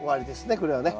これはね。